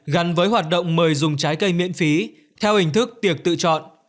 gắn với hoạt động mời dùng trái cây miễn phí theo hình thức tiệc tự chọn